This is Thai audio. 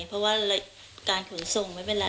เพราะว่าการขนส่งไม่เป็นไร